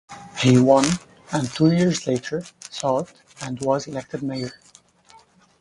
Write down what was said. He won, and, two years later, sought and was elected mayor.